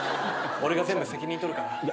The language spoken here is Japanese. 俺が全部責任取るから。